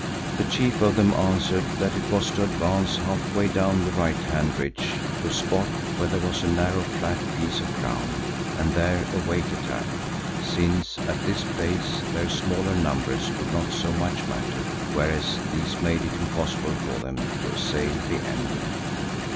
The chief of them answered that it was to advance halfway down the right hand ridge to a spot where there was a narrow flat piece of ground, and there await attack, since at this place their smaller numbers would not so much matter, whereas these made it impossible for them to assail the enemy.